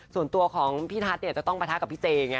ส่วนตัวของพี่ทัศน์จะต้องประทะกับพี่เจไง